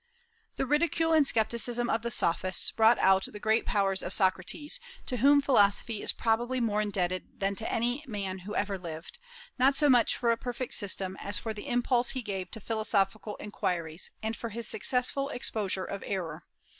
The ridicule and scepticism of the Sophists brought out the great powers of Socrates, to whom philosophy is probably more indebted than to any man who ever lived, not so much for a perfect system as for the impulse he gave to philosophical inquiries, and for his successful exposure of error.